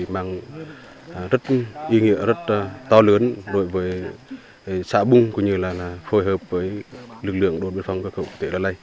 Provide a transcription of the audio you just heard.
mang ý nghĩa rất to lớn đối với xã a bung phối hợp với lực lượng đốn biên phòng cửa khẩu quốc tế la lai